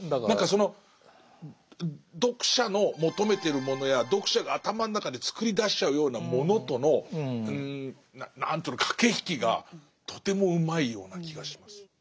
何かその読者の求めてるものや読者が頭の中で作り出しちゃうようなものとの何ていうの駆け引きがとてもうまいような気がします。